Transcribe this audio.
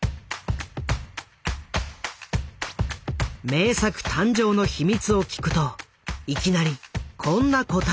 名作誕生の秘密を聞くといきなりこんな答えが返ってきた。